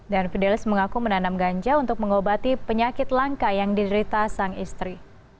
dan fidelis mengaku menanam ganja untuk mengobati penyakit lantai yang diderita sang istri